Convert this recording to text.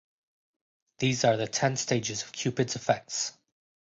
These are the ten stages of Cupid's effects.